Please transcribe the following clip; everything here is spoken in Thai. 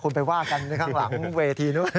คุณไปว่ากันข้างหลังเวทีนู้น